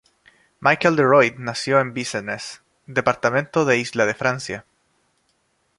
Michel Droit nació en Vincennes, departamento de Isla de Francia.